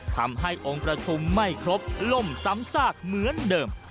ทำให้องค์ประชุมไม่ครบล่มซ้ำซากเหมือนเดิม